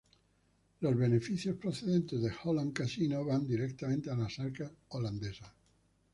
Los beneficios procedentes de Holland Casino van directamente a las arcas holandesas.